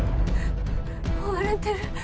追われてる。